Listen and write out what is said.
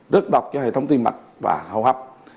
rất độc cho hệ thống tim mạch và hầu hấp